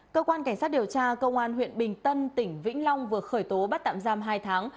cơ quan cảnh sát điều tra công an huyện bình tân tỉnh vĩnh long vừa khởi tố bắt tạm giam hai tháng